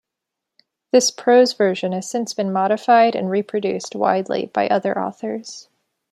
This prose version has since been modified and reproduced widely by other authors.